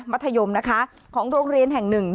มัธยมนะคะของโรงเรียนแห่งหนึ่ง